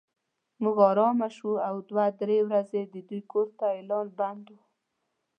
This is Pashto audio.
موږ ارامه شوو او دوه درې ورځې د دوی کور ته اعلان بند و.